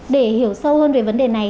để hiểu sâu hơn về vấn đề này